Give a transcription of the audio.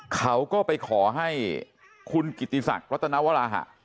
เขาก็ไปขอให้คุณกิติศักดิ์รัตนวราหะ